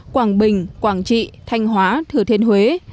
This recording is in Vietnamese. quảng bình quảng trị thanh hóa thừa thiên huế